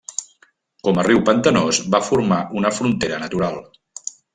Com a riu pantanós va formar una frontera natural.